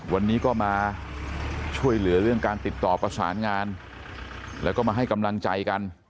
วันนี้ก็มาช่วยเหลือเรื่องการติดต่อประสานงานแล้วก็มาให้กำลังใจกัน